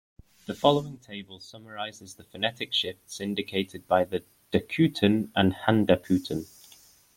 The following table summarizes the phonetic shifts indicated by the "dakuten" and "handakuten".